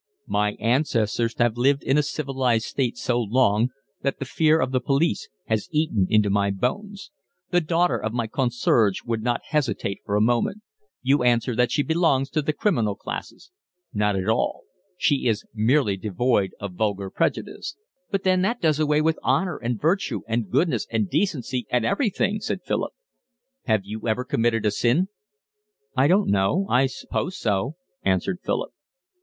"My ancestors have lived in a civilised state so long that the fear of the police has eaten into my bones. The daughter of my concierge would not hesitate for a moment. You answer that she belongs to the criminal classes; not at all, she is merely devoid of vulgar prejudice." "But then that does away with honour and virtue and goodness and decency and everything," said Philip. "Have you ever committed a sin?" "I don't know, I suppose so," answered Philip.